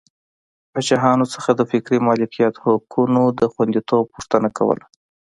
پاچاهانو څخه د فکري مالکیت حقونو د خوندیتوب غوښتنه کوله.